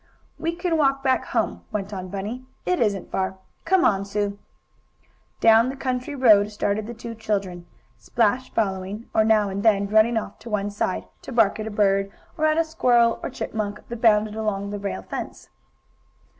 "We can walk back home," went on Bunny. "It isn't far. Come on, Sue!" Down the country road started the two children, Splash following, or, now and then, running off to one side, to bark at a bird, or at a squirrel or chipmunk that bounded along the rail fence.